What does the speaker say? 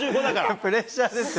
プレッシャーですよ。